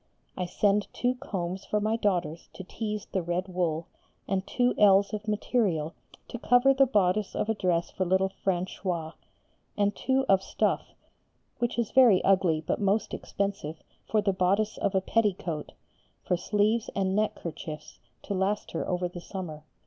I send two combs for my daughters to tease the red wool, and two ells of material to cover the bodice of a dress for little Françoise, and two of stuff, which is very ugly but most expensive, for the bodice of a petticoat, for sleeves and neck kerchiefs, to last her over the summer.